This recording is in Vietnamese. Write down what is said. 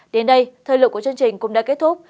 đến đây thời lượng của chương trình cũng đã kết thúc